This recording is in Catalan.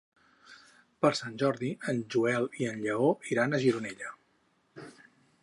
Per Sant Jordi en Joel i en Lleó iran a Gironella.